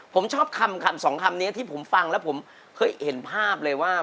ผมชอบคำสองคำนี้ที่ผมฟังแล้วผมเคยเห็นภาพเลยว่า